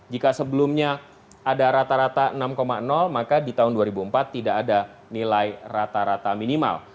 jika sebelumnya ada rata rata enam maka di tahun dua ribu empat tidak ada nilai rata rata minimal